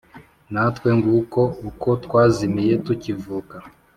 Natwe nguko uko twazimiye tukivuka,